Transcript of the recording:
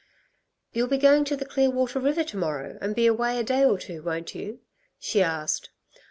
"You'll be going to the Clearwater River to morrow, and be away a day or two, won't you?" she asked.